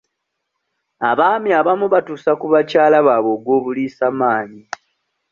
Abaami abamu batuusa ku bakyala baabwe ogw'obuliisamaanyi.